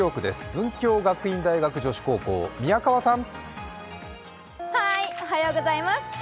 文京学院大学女子高校、宮川さん。